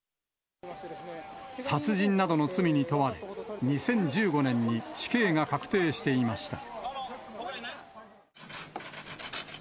殺人などの罪に問われ、２０１５年に死刑が確定していました。